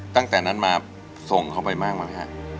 ตั้งแต่นั้นมาส่งเขาไปบ้างไหมฮะ